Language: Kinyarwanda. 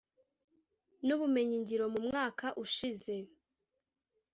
n’Ubumenyingiro mu mwaka ushize